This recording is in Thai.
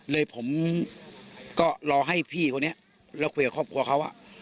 เลยผมก็รอให้พี่คนนี้แล้วคุยกับครอบครัวเขา